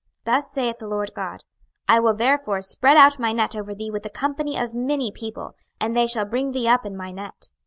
26:032:003 Thus saith the Lord GOD; I will therefore spread out my net over thee with a company of many people; and they shall bring thee up in my net.